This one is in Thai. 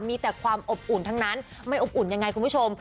มีแต่ความอบอุ่นทั้งนั้นไม่อบอุ่นยังไงคุณผู้ชม